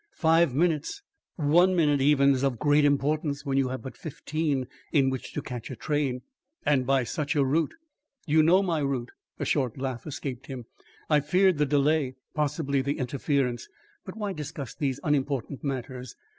Five minutes, one minute even is of great importance when you have but fifteen in which to catch a train." "And by such a route!" "You know my route." A short laugh escaped him. "I feared the delay possibly the interference But why discuss these unimportant matters!